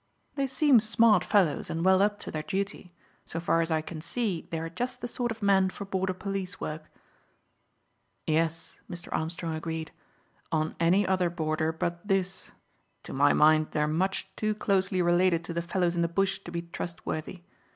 "They seem smart fellows, and well up to their duty. So far as I can see they are just the sort of men for border police work." "Yes," Mr. Armstrong agreed, "on any other border but this. To my mind they are much too closely related to the fellows in the bush to be trustworthy.